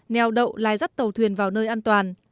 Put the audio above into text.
nèo đậu lại dắt tàu thuyền vào nơi an toàn